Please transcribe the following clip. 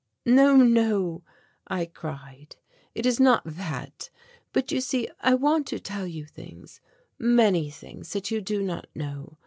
"No, no!" I cried, "it is not that; but you see I want to tell you things; many things that you do not know.